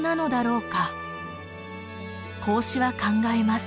孔子は考えます。